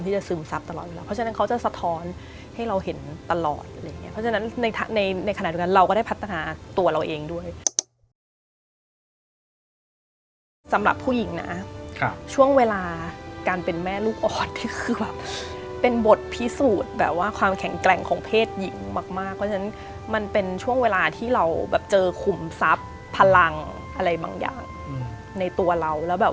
จะซึมซับตลอดเวลาเพราะฉะนั้นเขาจะสะท้อนให้เราเห็นตลอดอะไรอย่างเงี้เพราะฉะนั้นในในขณะตรงนั้นเราก็ได้พัฒนาตัวเราเองด้วยสำหรับผู้หญิงนะช่วงเวลาการเป็นแม่ลูกออสเนี่ยคือแบบเป็นบทพิสูจน์แบบว่าความแข็งแกร่งของเพศหญิงมากมากเพราะฉะนั้นมันเป็นช่วงเวลาที่เราแบบเจอขุมทรัพย์พลังอะไรบางอย่างในตัวเราแล้วแบบ